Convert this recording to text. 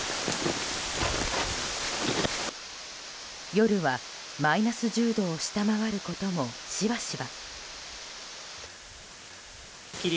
夜はマイナス１０度を下回ることもしばしば。